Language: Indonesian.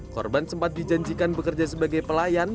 korban sempat dijanjikan bekerja sebagai pelayan